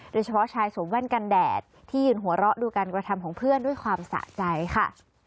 โดยเฉพาะชายสวมแว่นกันแดดที่ยืนหัวเราะดูการกระทำของเพื่อนด้วยความสะใจค่ะ